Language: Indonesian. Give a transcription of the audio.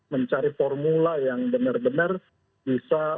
mencari formula yang benar benar bisa